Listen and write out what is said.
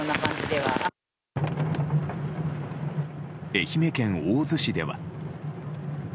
愛媛県大洲市では。